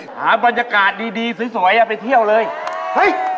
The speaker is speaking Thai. ห้าบรรยากาศดีสวยผมอยากกลับไป